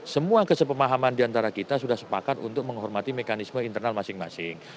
semua kesepemahaman diantara kita sudah sepakat untuk menghormati mekanisme internal masing masing